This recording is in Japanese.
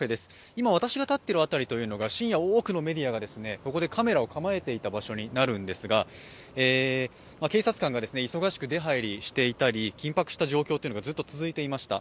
今私が立っている辺りが深夜多くのメディアがここでカメラを構えていた場所になるんですが、警察官が忙しく出入りしていたり緊迫した状況がずっと続いていました。